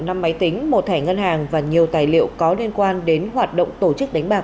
năm máy tính một thẻ ngân hàng và nhiều tài liệu có liên quan đến hoạt động tổ chức đánh bạc